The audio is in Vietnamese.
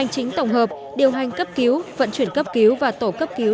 hành chính tổng hợp điều hành cấp cứu vận chuyển cấp cứu và tổ cấp cứu